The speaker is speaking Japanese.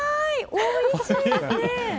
おいしい！